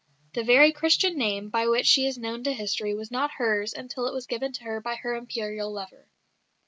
The very Christian name by which she is known to history was not hers until it was given to her by her Imperial lover.